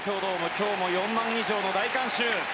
今日も４万以上の大観衆。